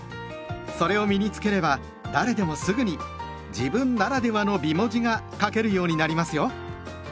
それを身に付ければ誰でもすぐに「自分ならではの美文字」が書けるようになりますよ。